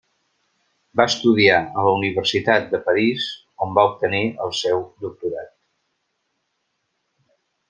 Va estudiar a la Universitat de París, on va obtenir el seu doctorat.